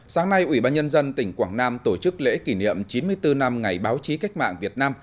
sáng nay ủy ban nhân dân tỉnh quảng nam tổ chức lễ kỷ niệm chín mươi bốn năm ngày báo chí cách mạng việt nam